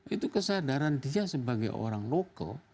itu kesadaran dia sebagai orang lokal